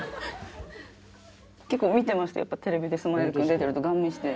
結構見てましたテレビでスマイル君出てるとガン見して。